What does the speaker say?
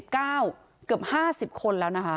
เกือบ๕๐คนแล้วนะคะ